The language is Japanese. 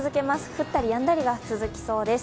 降ったりやんだりが続きそうです。